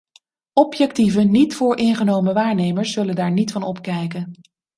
Objectieve, niet vooringenomen waarnemers zullen daar niet van opkijken.